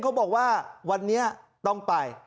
เขาบอกว่าวันนี้ต้องไป